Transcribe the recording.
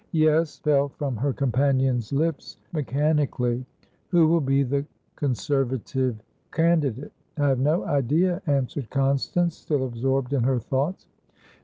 "Yes," fell from her companion's lips mechanically. "Who will be the Conservative candidate?" "I have no idea," answered Constance, still absorbed in her thoughts.